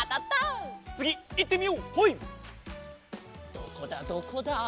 どこだどこだ？